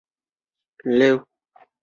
束丝菝葜为百合科菝葜属下的一个种。